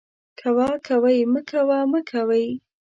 کوه ، کوئ ، مکوه ، مکوئ